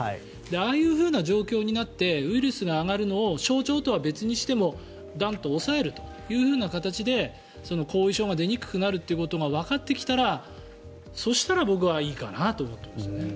ああいう状況になってウイルスが上がるのを症状とは別にしてもダンと抑えるという形で後遺症が出にくくなるということがわかってきたらそしたら、僕はいいかなと思っていますね。